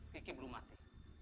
kiki belum mati